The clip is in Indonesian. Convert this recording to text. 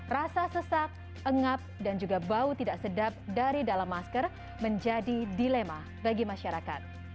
rasa sesak engap dan juga bau tidak sedap dari dalam masker menjadi dilema bagi masyarakat